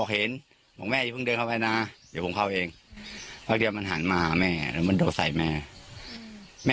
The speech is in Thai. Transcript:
คือก็เข้าไปเลี่ยงมันออกมา